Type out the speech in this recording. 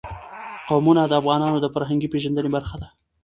قومونه د افغانانو د فرهنګي پیژندنې برخه ده.